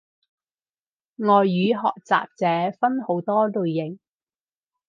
外語學習者分好多類型